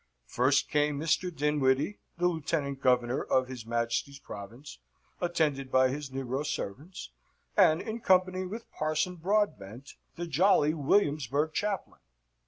First came Mr. Dinwiddie, the Lieutenant Governor of his Majesty's province, attended by his negro servants, and in company of Parson Broadbent, the jolly Williamsburg chaplain.